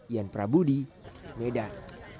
ian prabudi medan